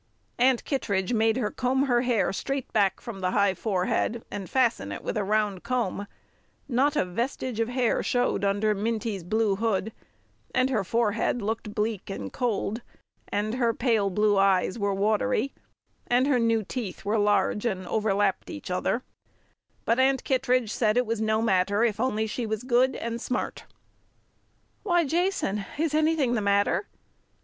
Aunt Kittredge made her comb her hair straight back from the high forehead, and fasten it with a round comb; not a vestige of hair showed under Minty's blue hood, and her forehead looked bleak and cold, and her pale blue eyes were watery, and her new teeth were large and overlapped each other; but Aunt Kittredge said it was no matter, if she was only good and "smart." "Why, Jason, is anything the matter?"